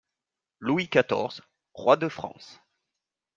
Louis quatorze, roi de France.